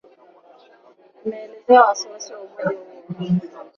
Ameelezea wasi wasi wa umoja huo